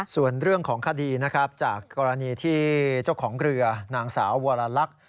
ส่วนเรื่องของคดีนะครับจากกรณีที่เจ้าของเรือนางสาววรลักษณ์